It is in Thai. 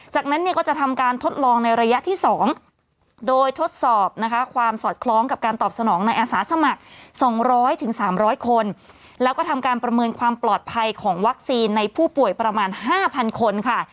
จากนั้นเนี่ยก็จะทำการทดลองในระยะที่๒โดยทดสอบนะคะความสอดคล้องกับการตอบสนองในอาสาสมัคร๒๐๐๓๐๐คนแล้วก็ทำการประเมินความปลอดภัยของวัคซีนในผู้ป่วยประมาณ๕๐๐คนค่ะ